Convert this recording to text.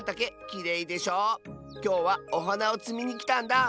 きょうはおはなをつみにきたんだ。